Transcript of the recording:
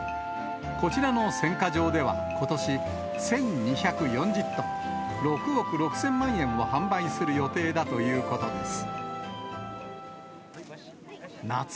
こちらの選果場ではことし、１２４０トン、６億６０００万円を販売する予定だということです。